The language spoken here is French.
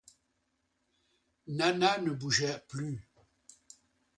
Nana ne bougea plus.